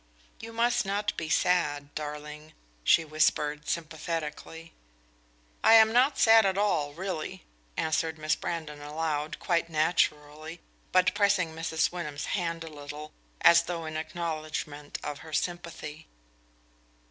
"You must not be sad, darling," she whispered sympathetically. "I am not sad at all, really," answered Miss Brandon aloud, quite naturally, but pressing Mrs. Wyndham's hand a little, as though in acknowledgment of her sympathy.